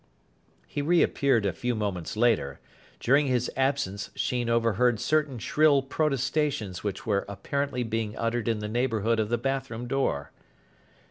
He reappeared a few moments later. During his absence Sheen overheard certain shrill protestations which were apparently being uttered in the neighbourhood of the bathroom door.